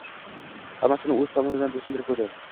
— hammasini O‘z tomonidan bo‘ysundirib qo‘ydi.